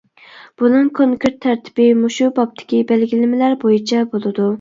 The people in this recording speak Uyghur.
بۇنىڭ كونكرېت تەرتىپى مۇشۇ بابتىكى بەلگىلىمىلەر بويىچە بولىدۇ.